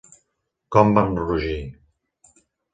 Com vam rugir!